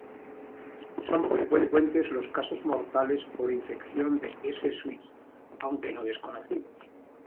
Son poco frecuentes los casos mortales por infección de "S. suis", aunque no desconocidos.